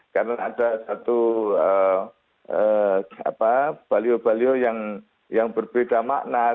karena ada satu balihu balihu yang berbeda makna